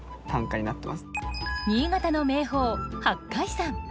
新潟の名峰八海山。